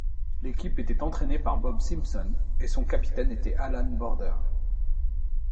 L'équipe était entraînée par Bob Simpson et son capitaine était Allan Border.